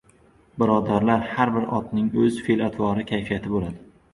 Birodarlar, har bir otning o‘z fe’l-atvori, kayfiyati bo‘ladi.